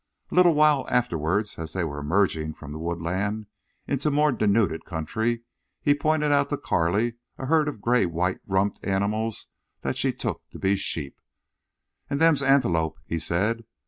A little while afterwards, as they were emerging from the woodland into more denuded country, he pointed out to Carley a herd of gray white rumped animals that she took to be sheep. "An' them's antelope," he said.